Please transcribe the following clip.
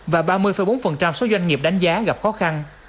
và ba mươi bốn số doanh nghiệp đánh giá gặp khó khăn